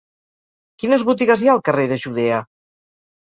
Quines botigues hi ha al carrer de Judea?